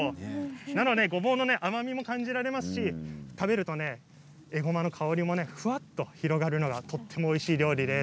なのでごぼうの甘みを感じられますし食べるとえごまの甘みをふわっと感じられるとてもおいしい料理です。